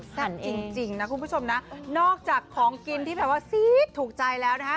จริงนะคุณผู้ชมนะนอกจากของกินที่แบบว่าซี๊ดถูกใจแล้วนะคะ